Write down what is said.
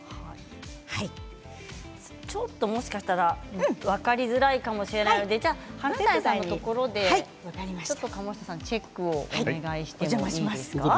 ちょっと、もしかしたら分かりづらいかもしれないので華大さんのところで鴨下さんチェックをお邪魔します。